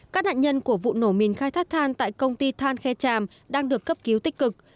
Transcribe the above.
các nạn nhân của vụ nổ mìn khai thác than tại công ty than khe tràm đang được cấp cứu tích cực